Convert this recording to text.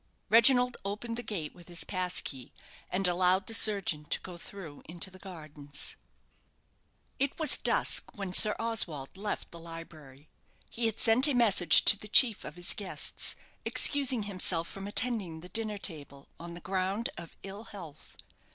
Reginald opened the gate with his pass key, and allowed the surgeon to go through into the gardens. It was dusk when Sir Oswald left the library. He had sent a message to the chief of his guests, excusing himself from attending the dinner table, on the ground of ill health.